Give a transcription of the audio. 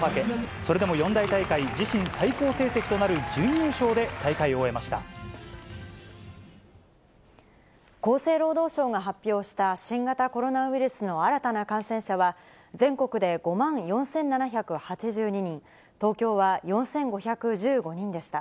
それでも四大大会自身最高成績となる準優勝で、大会を厚生労働省が発表した、新型コロナウイルスの新たな感染者は、全国で５万４７８２人、東京は４５１５人でした。